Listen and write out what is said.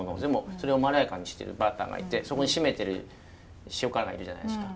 それをまろやかにしてるバターがいてそこに締めてる塩辛いるじゃないですか。